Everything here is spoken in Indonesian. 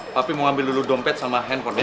papi mau ambil dulu dompet sama handphone nya